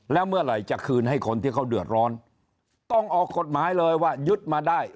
แล้วเมื่อไหร่จะคืนให้คนที่เขาเดือดร้อนต้องออกกฎหมายเลยว่ายึดมาได้